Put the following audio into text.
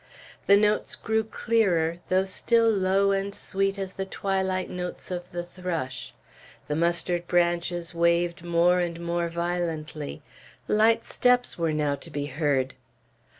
The notes grew clearer, though still low and sweet as the twilight notes of the thrush; the mustard branches waved more and more violently; light steps were now to be heard.